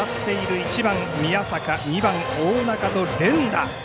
１番宮坂、２番の大仲と連打。